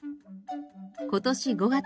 今年５月